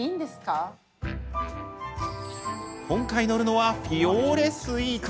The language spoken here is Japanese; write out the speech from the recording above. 今回、乗るのはフィオーレスイート。